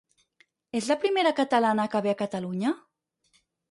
És la primera catalana que ve a Catalunya?